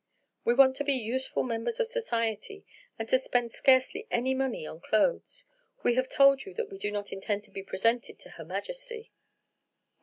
"We want to be useful members of society, and to spend scarcely any money on clothes. We have told you that we do not intend to be presented to Her Majesty."